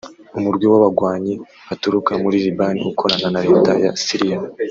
umurwi w'abagwanyi baturuka muri Libani ukorana na reta ya Syria